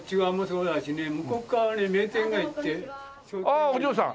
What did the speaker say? ああお嬢さん。